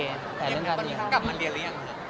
ตอนนี้เขากลับมาเรียนแล้วยังหรือเปล่าครับ